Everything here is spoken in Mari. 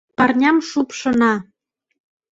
Парням шупшына.